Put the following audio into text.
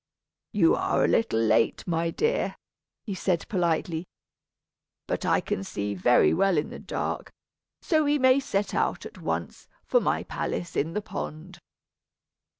"You are a little late, my dear," he said politely. "But I can see very well in the dark, so we may set out at once, for my palace in the pond."